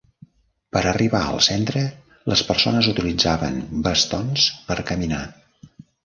Per arribar al centre, les persones utilitzaven bastons per caminar.